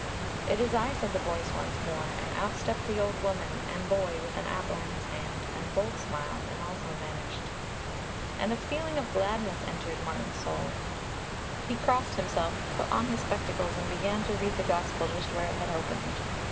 "It is I," said the voice once more, and out stepped the old woman and boy with an apple in his hand, and both smiled and also vanished. And a feeling of gladness entered Martin's soul. He crossed himself, put on his spectacles and began to read the Gospel just where it had opened.